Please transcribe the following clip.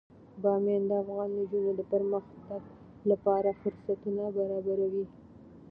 بامیان د افغان نجونو د پرمختګ لپاره فرصتونه برابروي.